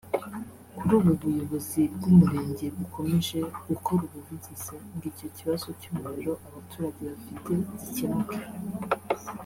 Kuri ubu ubuyobozi bw’umurenge bukomeje gukore ubuvugizi ngo icyo kibazo cy’umuriro abaturage bafite gikemuke